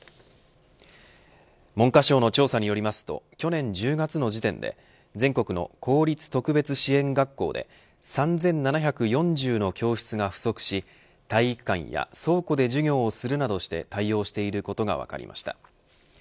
文科省の調査によりますと去年１０月の時点で全国の公立特別支援学校で３７４０の教室が不足し体育館や倉庫で授業をするなどして対応していることが分かりました。